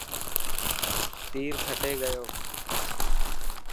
تير کٽي گيو.